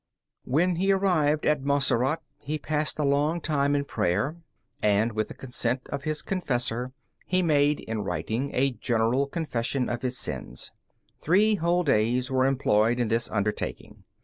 When he arrived at Montserrat, he passed a long time in prayer, and with the consent of his confessor he made in writing a general confession of his sins. Three whole days were employed in this undertaking.